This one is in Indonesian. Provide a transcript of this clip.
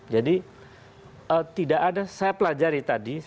jadi tidak ada saya pelajari tadi